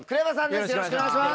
よろしくお願いします！